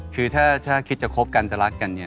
คือถ้าคิดจะคบกันจะรักกันเนี่ย